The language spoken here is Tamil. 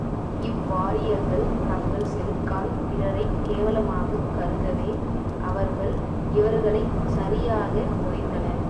இவ்வாரியர்கள் தங்கள் செருக்கால் பிறரைக் கேவலமாகக் கருதவே அவர்கள் இவர்களைச் சரியாக உதைத்தனர்.